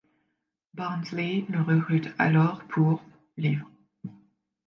Barnsley le recrute alors le pour £.